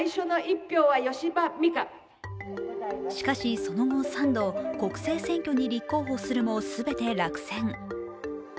しかし、その後３度、国政選挙に立候補するも全て落選。